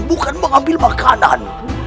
bukan mengambil makanan